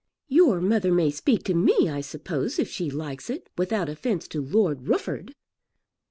"Your mother may speak to me I suppose if she likes it, without offence to Lord Rufford."